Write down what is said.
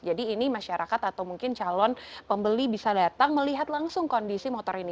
jadi ini masyarakat atau mungkin calon pembeli bisa datang melihat langsung kondisi motor ini